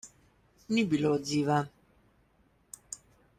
Ni bilo odziva.